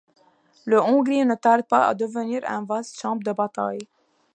La Hongrie ne tarde pas à devenir un vaste champ de bataille.